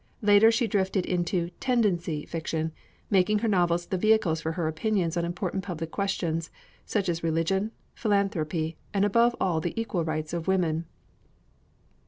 Later she drifted into "tendency" fiction, making her novels the vehicles for her opinions on important public questions, such as religion, philanthropy, and above all the equal rights of women.